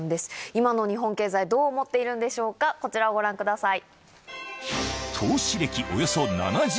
今の日本経済どう思っているかこちらをご覧ください。